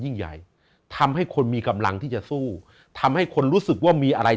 ยิ่งใหญ่ทำให้คนมีกำลังที่จะสู้ทำให้คนรู้สึกว่ามีอะไร